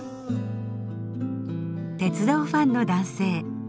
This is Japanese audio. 鉄道ファンの男性。